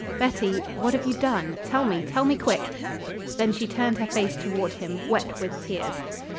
"Betty, what have you done? Tell me tell me quick." Then she turned her face toward him, wet with tears.